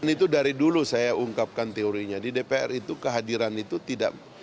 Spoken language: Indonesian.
itu dari dulu saya ungkapkan teorinya di dpr itu kehadiran itu tidak